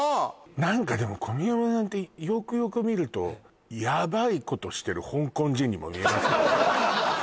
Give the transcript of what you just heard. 何かでも小宮山さんってよくよく見るとヤバイことしてる香港人にも見えますよね